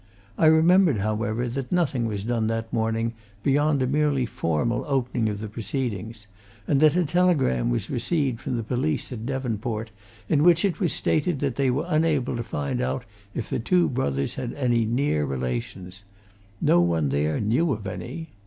I remember, however, that nothing was done that morning beyond a merely formal opening of the proceedings, and that a telegram was received from the police at Devonport in which it was stated that they were unable to find out if the two brothers had any near relations no one there knew of any.